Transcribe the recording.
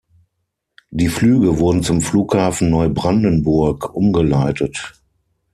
Die Flüge wurden zum Flughafen Neubrandenburg umgeleitet.